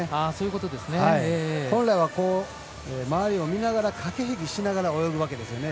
本来は、周りを見ながら駆け引きしながら泳ぐわけですね。